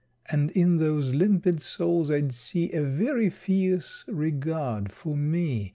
And in those limpid souls I'd see A very fierce regard for me.